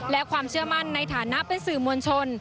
และความเชื่อมั่นในฐานะเป็นสื่อมวลชน